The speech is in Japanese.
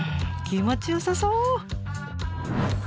気持ちよさそう！